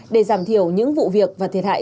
để giảm thiểu những vụ việc và thiệt hại